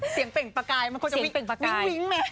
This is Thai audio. เสียงเปล่งปล่ากายมันคงจะวิ้งไหม